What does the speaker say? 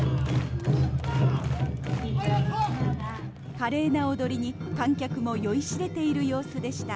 華麗な踊りに、観客も酔いしれている様子でした。